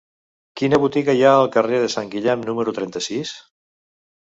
Quina botiga hi ha al carrer de Sant Guillem número trenta-sis?